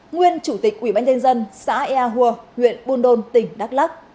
nguyên chủ tịch ủy ban nhân dân xã ea hùa huyện buôn đôn tỉnh đắk lắc